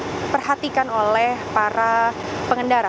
diperhatikan oleh para pengendara